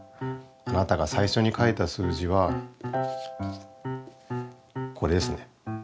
あなたが最初に書いた数字はこれですね。